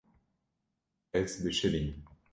Ez bişirîm.